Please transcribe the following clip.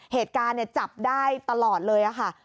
เหตุการณ์เนี่ยจับได้ตลอดเลยอ่ะค่ะ